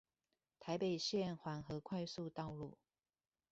台北縣環河快速道路